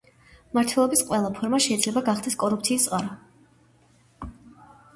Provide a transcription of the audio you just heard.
მმართველობის ყველა ფორმა შეიძლება გახდეს კორუფციის წყარო.